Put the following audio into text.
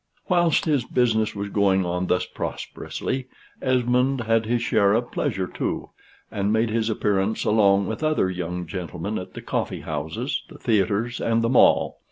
Whilst his business was going on thus prosperously, Esmond had his share of pleasure too, and made his appearance along with other young gentlemen at the coffee houses, the theatres, and the Mall.